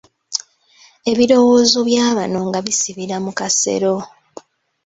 Ebirowoozo bya bano nga bisibira mu kasero.